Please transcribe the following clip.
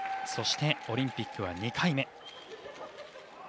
そしてオリンピックは２回目。